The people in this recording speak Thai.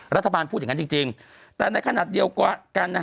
รัฐบาลพูดอย่างนั้นจริงแต่ในขณะเดียวกัน